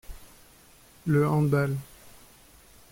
Le handball.